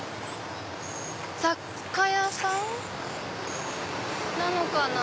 雑貨屋さんなのかな？